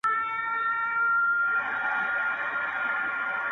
یــو او بل ســــره مـــو حساب پاتې دی